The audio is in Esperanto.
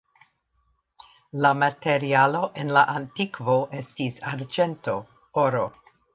La materialo en la antikvo estis arĝento, oro.